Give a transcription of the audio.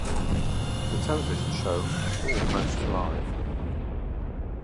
The television show Almost Live!